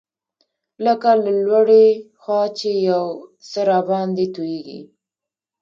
لکه له لوړې خوا څخه چي یو څه راباندي تویېږي.